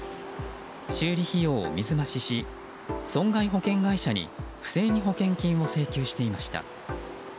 修理費用を水増しし損害保険会社に不正に保険金を請求していました。